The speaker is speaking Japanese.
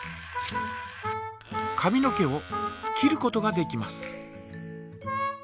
髪の毛を切ることができます。